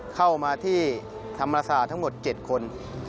เข้ามาที่ธรรมศาสตร์ทั้งหมด๗คน